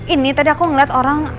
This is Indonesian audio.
ini tadi aku ngeliat orang